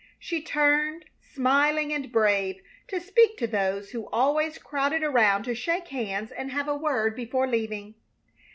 She turned, smiling and brave, to speak to those who always crowded around to shake hands and have a word before leaving.